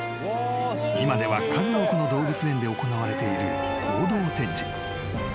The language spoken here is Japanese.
［今では数多くの動物園で行われている行動展示］